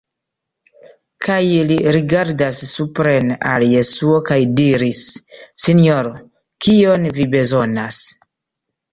Kaj li rigardas supren al Jesuo kaj diris: "Sinjoro, kion vi bezonas?"